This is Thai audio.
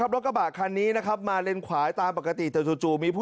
รถกระบะคันนี้นะครับมาเล็นขวาตามปกติเจ้าจู